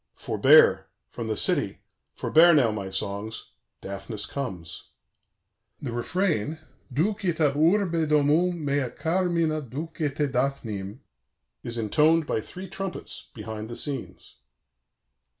"Forbear: from the city forbear now, my songs Daphnis comes." The refrain Ducite ab urbe domum, mea carmina, ducite Daphnim is intoned by three trumpets behind the scenes.